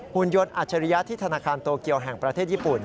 หุ่นยนต์อัจฉริยะที่ธนาคารโตเกียวแห่งประเทศญี่ปุ่น